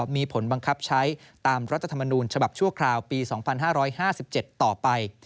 มีผลบังคับใช้ตามรัฐธรรมนูญฉบับชั่วคราวปี๒๕๕๗ต่อไป